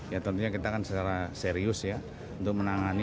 ya tentunya kita kan secara serius ya untuk menangani